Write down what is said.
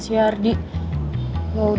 schnell jarang bakal kenyataan